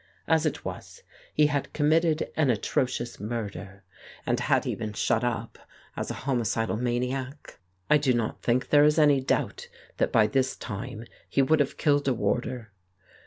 As it was, he had committed an atrocious murder, and had he been shut up as a homicidal maniac, I do not think there is any doubt that by this time he would have killed a warder.